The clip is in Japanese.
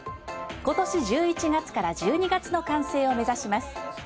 今年１１月から１２月の完成を目指します。